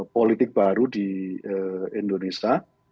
politik baru di indonesia